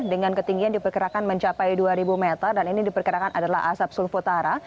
dengan ketinggian diperkirakan mencapai dua ribu meter dan ini diperkirakan adalah asap sulfutara